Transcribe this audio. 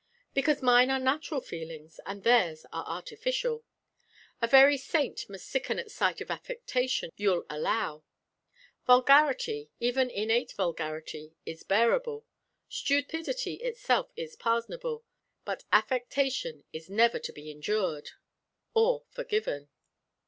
"Because mine are natural feelings, and theirs are artificial. A very saint must sicken at sight of affectation, you'll allow. Vulgarity, even innate vulgarity, is bearable stupidity itself is pardonable but affectation is never to be endured or forgiven."